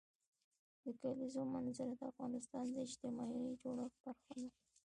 د کلیزو منظره د افغانستان د اجتماعي جوړښت برخه ده.